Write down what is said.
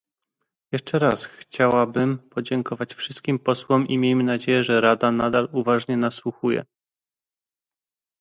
Jeszcze raz chciałabym podziękować wszystkim posłom i miejmy nadzieję, że Rada nadal uważnie nasłuchuje